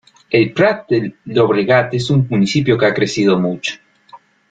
El Prat de Llobregat es un municipio que ha crecido mucho.